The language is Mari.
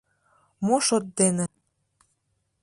Мо шот дене?